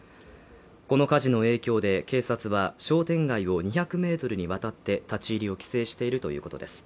この火事の影響で警察は商店街を２００メートルにわたって立ち入りを規制しているということです